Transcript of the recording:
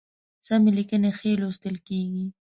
سمي لیکنی ښی لوستل کیږي